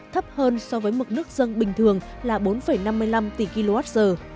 thấp hơn so với mực nước dân bình thường là bốn năm mươi năm tỷ kwh